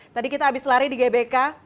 tadi kita habis lari di gbk